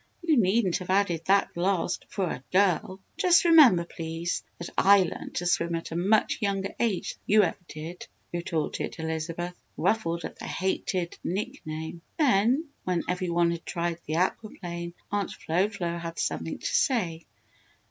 "You needn't have added that last 'for a girl'; just remember please, that I learned to swim at a much younger age than you ever did!" retorted Elizabeth, ruffled at the hated nick name. Then, when every one had tried the aqua plane Aunt Flo Flo had something to say.